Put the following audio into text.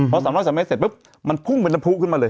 พอ๓๐๓เมตรเสร็จปุ๊บมันพุ่งเป็นน้ำผู้ขึ้นมาเลย